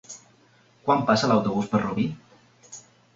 Quan passa l'autobús per Rubí?